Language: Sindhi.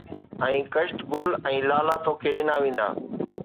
۽ ڪشت گل ۽ لالا توکي ڏنا ويندا